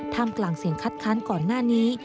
กลางเสียงคัดค้านก่อนหน้านี้